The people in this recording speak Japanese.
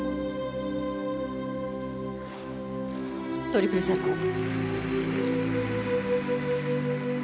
トリプルサルコウ。